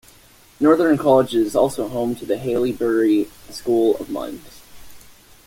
Northern College is also home to the Haileybury School of Mines.